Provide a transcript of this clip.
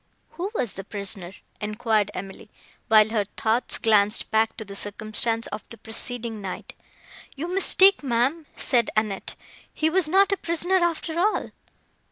"Who was the prisoner?" enquired Emily, while her thoughts glanced back to the circumstance of the preceding night. "You mistake, ma'am," said Annette; "he was not a prisoner, after all."